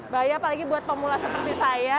bahaya apalagi buat pemula seperti saya